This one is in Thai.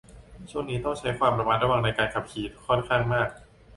ช่วงนี้ต้องใช้ความระมัดระวังในการขับขี่ค่อนข้างมาก